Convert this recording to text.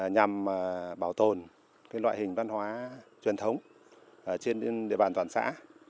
nhằm bảo tồn loại hình văn hóa truyền thống trên địa bàn toàn xã